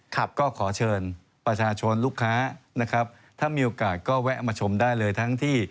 ครับก็ขอเชิญประชาชนลูกค้านะครับถ้ามีโอกาสก็แวะมาชมได้เลยทั้งที่